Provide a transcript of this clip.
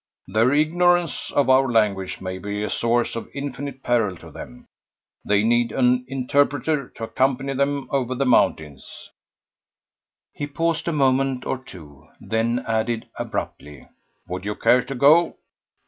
Their ignorance of our language may be a source of infinite peril to them. They need an interpreter to accompany them over the mountains." He paused for a moment or two, then added abruptly: "Would you care to go?